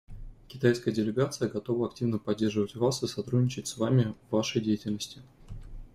Китайская делегация готова активно поддерживать вас и сотрудничать с вами в вашей деятельности.